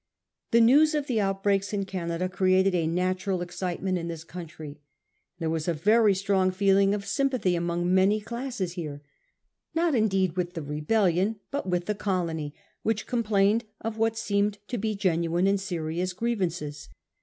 The news of the outbreaks in Canada created a natural excitement in this country. There was a very strong feeling of sympathy among many classes here — not, indeed, with the rebellion, but with the colony which complained of what seemed to be genuine and serious grievances.